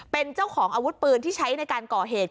เป็นเจ้าของอาวุธปืนที่ใช้ในการก่อเหตุ